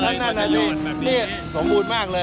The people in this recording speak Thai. ใช่นั่นน่ะสินี่ขอบคุณมากเลย